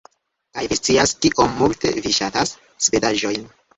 - Kaj vi scias kiom multe vi ŝatas svedaĵojn